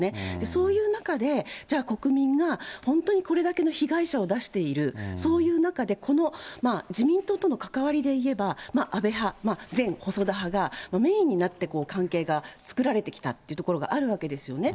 そういう中で、じゃあ国民が本当にこれだけの被害者を出している、そういう中で、この、自民党との関わりでいえば、安倍派、前細田派がメインになって関係が作られてきたってところがあるわけですよね。